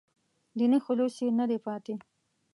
دیني خلوص یې نه دی پاتې.